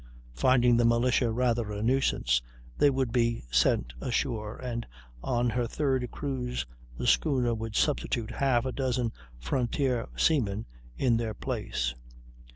Finding the militia rather a nuisance, they would be sent ashore, and on her third cruise the schooner would substitute half a dozen frontier seamen in their place.